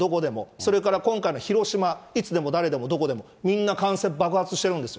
それから今回の広島、いつでもだれでもどこでも、みんな感染爆発してるんですよ。